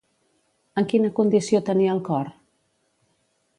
En quina condició tenia el cor?